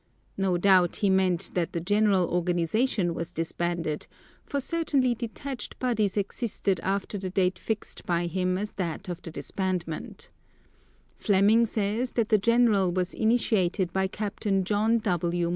No doubt he meant that the general organization was disbanded, for certainly detached bodies existed after the date fixed by him as that of the disbandment. Fleming says that the general was initiated by Captain John W.